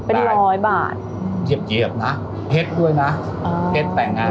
ไปที่ร้อยบาทเหยียบเยียบนะเพชรด้วยนะเพชรแต่งงานต่อ